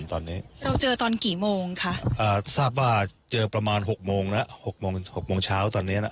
ตอนนี้เราเจอตอนกี่โมงคะอ่าทราบว่าเจอประมาณหกโมงนะหกโมงหกโมงเช้าตอนเนี้ยนะ